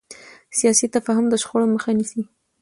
سیاسي تفاهم د شخړو مخه نیسي